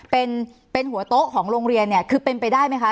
เป็นเป็นหัวโต๊ะของโรงเรียนเนี่ยคือเป็นไปได้ไหมคะ